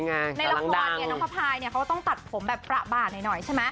ในละครน้องพระพายเขาก็ต้องตัดผมแบบประบาดหน่อยใช่ไหม